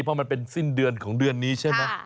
เพราะมันเป็นสิ้นเดือนของเดือนนี้ใช่ไหม